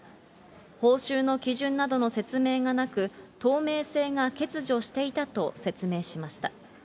報酬の基準などの説明がなく、透明性が欠如していたと説明しました。